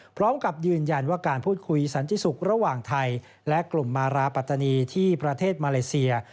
พร้อมกับยืนยันว่าการพูดคุยสันติสุขระหว่างไทยและกลุ่มมาราปัตตานีที่ประเทศมาเลเซีย